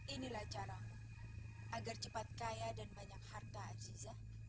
inilah caramu agar cepat kaya dan banyak harta aziza